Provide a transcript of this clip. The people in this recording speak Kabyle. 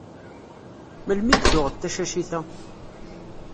Melmi i d-tuɣeḍ tacacit-a?